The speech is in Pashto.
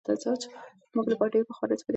موږ له ډېر پخوا راهیسې په دې خاوره کې مېشت یو.